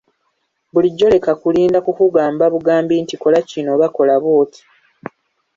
Bulijjo leka kulinda kukugamba bugambi nti kola kino oba kola bwoti.